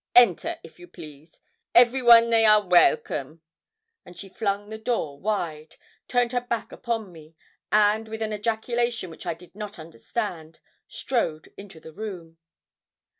Enter, if you please. Every one they are welcome!' and she flung the door wide, turned her back upon me, and, with an ejaculation which I did not understand, strode into the room.